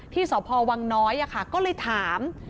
ที่สพวังน้อยก็เลยถาม